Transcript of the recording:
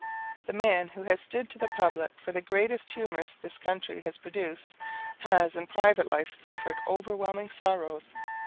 The man who has stood to the public for the greatest humorist this country has produced has in private life suffered overwhelming sorrows.